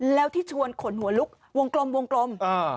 แล้วที่ชวนขนหัวลุกวงกลม